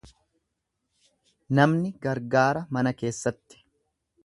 Namni gargaara mana keessatti.